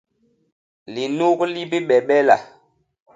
Linuk li bibebela.